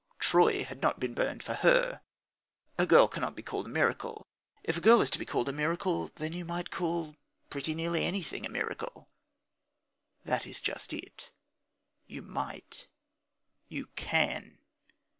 Troy had not been burnt for her. A girl cannot be called a miracle. If a girl is to be called a miracle, then you might call pretty nearly anything a miracle.... That is just it: you might. You can.